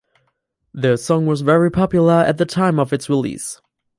The song was very popular at the time of its release.